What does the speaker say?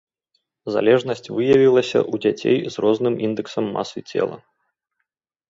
Залежнасць выявілася ў дзяцей з розным індэксам масы цела.